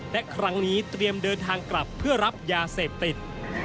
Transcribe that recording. และครั้งนี้เตรียมเดินทางกลับเพื่อรับยาเสพติด